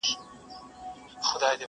زه که نه سوم ته، د ځان په رنګ دي کم!!